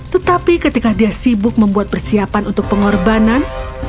tetapi ketika dia sibuk membuat persiapan untuk pengorbanan